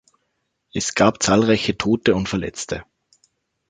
Es gab zahlreiche Tote und Verletzte.